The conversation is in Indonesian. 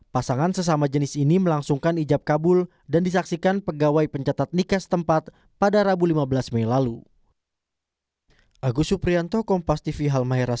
pasangan sesama jenis ini melangsungkan ijab kabul dan disaksikan pegawai pencatat nikes tempat pada rabu lima belas mei lalu